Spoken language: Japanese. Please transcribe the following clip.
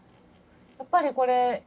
やっぱりこれＣＴ